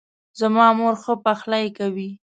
زما مور ښه پخلۍ کوي